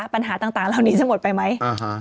ปัญหาต่างเหล่านี้จะหมดไปไหม